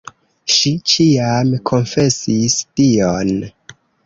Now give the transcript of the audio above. Ŝi ĉiam konfesis dion.